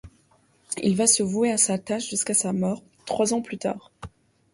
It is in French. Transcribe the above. Il va se vouer à sa tâche jusqu'à sa mort, trois ans plus tard.